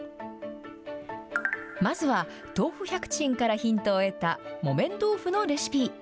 まずは豆腐百珍からヒントを得た、木綿豆腐のレシピ。